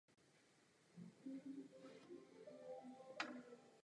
Proto to nemůžeme akceptovat, pane komisaři.